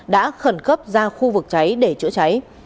đã khẩn cấp ra khu vực cháy để chữa cháy